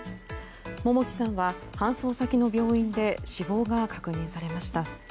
桃木さんは搬送先の病院で死亡が確認されました。